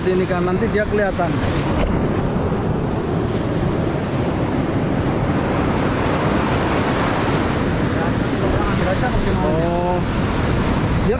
jadi ini kita pakai alat namanya sorok cara kerjanya ini pada saat ombak datang ya pak ya